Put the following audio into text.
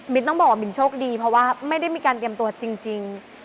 ต้องบอกว่ามินโชคดีเพราะว่าไม่ได้มีการเตรียมตัวจริง